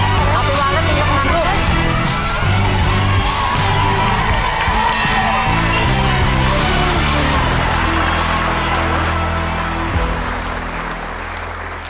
เอาไปวางแล้วเมียกำลังลูก